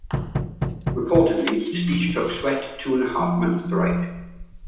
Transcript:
Reportedly the speech took Sweat two and a half months to write.